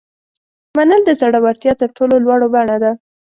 منل د زړورتیا تر ټولو لوړه بڼه ده.